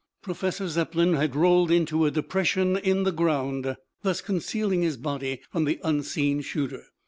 Professor Zepplin had rolled into a depression in the ground, thus concealing his body from the unseen shooter.